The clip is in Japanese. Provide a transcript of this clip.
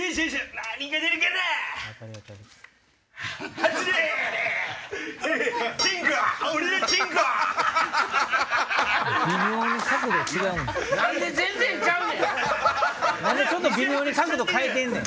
何で微妙に角度変えてんねん！